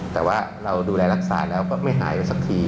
แต่ว่าเราดูแลรักษาแล้วก็ไม่หายไปสักที